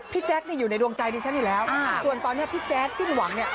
แจ๊คอยู่ในดวงใจดิฉันอยู่แล้วส่วนตอนนี้พี่แจ๊ดสิ้นหวังเนี่ย